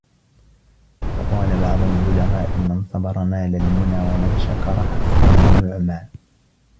وَقَالَ بَعْضُ الْبُلَغَاءِ مَنْ صَبَرَ نَالَ الْمُنَى ، وَمَنْ شَكَرَ حَصَّنَ النُّعْمَى